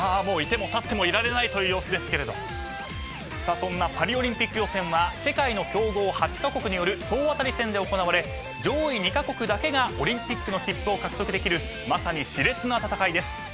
そんなパリオリンピック予選は世界の強豪８カ国による総当たり戦で行われ上位２カ国だけがオリンピックの切符を獲得できるまさに熾烈な戦いです。